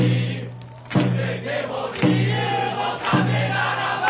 「捨てても自由のためならば」